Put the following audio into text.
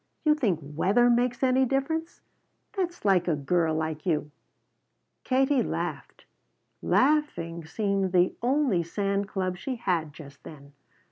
"You think weather makes any difference? That's like a girl like you!" Katie laughed. Laughing seemed the only sand club she had just then.